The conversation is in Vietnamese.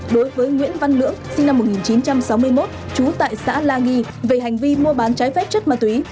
đối với nguyễn văn lưỡng sinh năm một nghìn chín trăm sáu mươi một trú tại xã la nghi về hành vi mua bán trái phép chất ma túy